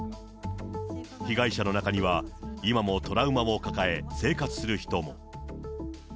被害者の中には、今もトラウマを抱え、生活する人も。